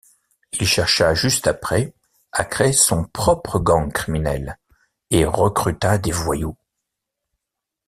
Il chercha juste après à créer son propre gang criminel et recruta des voyous.